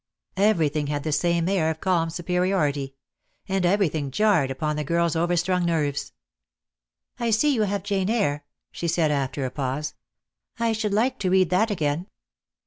Every thing had the same air of calm superiority; and everything jarred upon the girl's over strung nerves. "I see you have 'Jane Eyre,'" she said, after a pause. "I should like to read that again."